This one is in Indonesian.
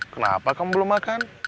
kenapa kamu belum makan